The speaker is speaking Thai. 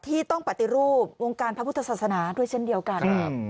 ที่ต้องปฏิรูปวงการพระพุทธศาสนาด้วยเช่นเดียวกัน